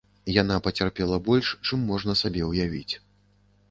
Яна пацярпела больш, чым можна сабе ўявіць.